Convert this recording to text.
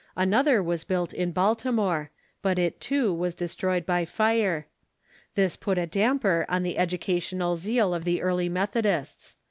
Another was built in Baltimore, but it, too, was de stroyed by fire. This put a damper on the educational zeal of the early Methodists.